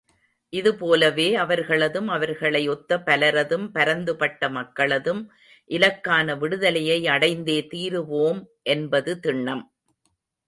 இதுபோலவே அவர்களதும், அவர்களை ஒத்த பலரதும், பரந்துபட்ட மக்களதும் இலக்கான விடுதலையை அடைந்தே தீருவோம் என்பது திண்ணம்.